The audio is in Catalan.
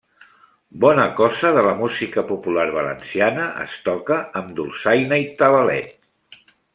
Bona cosa de la música popular valenciana es toca amb dolçaina i tabalet.